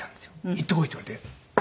行ってこいって言われて。